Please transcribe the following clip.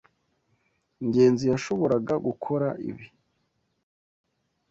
Ngenzi yashoboraga gukora ibi?